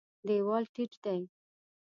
دېوال ټیټ دی.